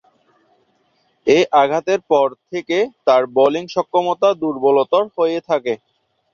এ আঘাতের পর থেকে তার বোলিং সক্ষমতা দূর্বলতর হতে থাকে।